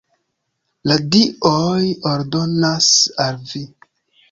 La dioj ordonas al vi!